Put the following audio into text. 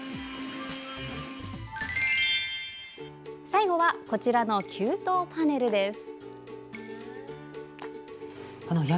最後はこちらの給湯パネルです。